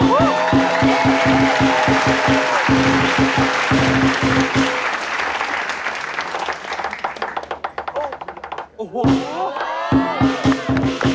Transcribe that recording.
อูหูย